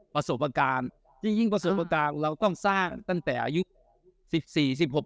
ประสบการณ์จริงยิ่งประสบการณ์เราต้องสร้างตั้งแต่อายุสิบสี่สิบหก